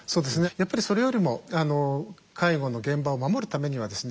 やっぱりそれよりも介護の現場を守るためにはですね